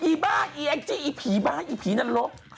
บ้าอีแองจี้อีผีบ้าอีผีนรก